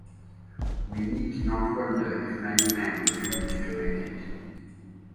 We need not wonder if many men refused to make it.